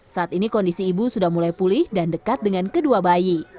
saat ini kondisi ibu sudah mulai pulih dan dekat dengan kedua bayi